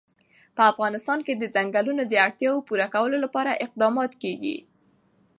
په افغانستان کې د چنګلونه د اړتیاوو پوره کولو لپاره اقدامات کېږي.